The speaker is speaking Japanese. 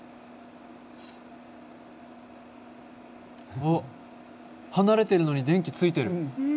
おっ離れてるのに電気ついてる。